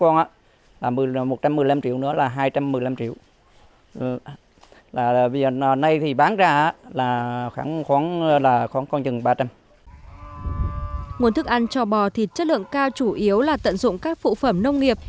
nguồn thức ăn cho bò thịt chất lượng cao chủ yếu là tận dụng các phụ phẩm nông nghiệp